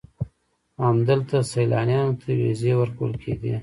همدلته سیلانیانو ته ویزې ورکول کېدې.